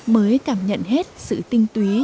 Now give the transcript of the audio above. mới cảm nhận hết sự tinh túy